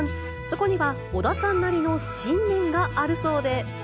そこには、小田さんなりの信念があるそうで。